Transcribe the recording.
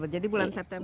jadi bulan september